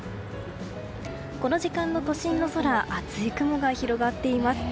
この時間の都心の空厚い雲が広がっています。